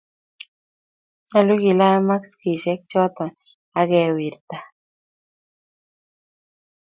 nyalun kelach maskishek chuto akewirta